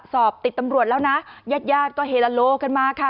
สอบติดตำรวจแล้วนะยากก็เฮลโลกขึ้นมาค่ะ